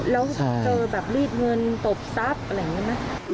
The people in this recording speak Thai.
แล้วเจอแบบรีดเงินตบทรัพย์อะไรอย่างนี้ไหม